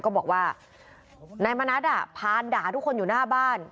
ก็บอกว่านายมณัฐพานด่าทุกคนอยู่หน้าบ้าน